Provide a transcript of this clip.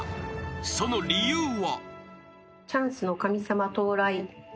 その理由は］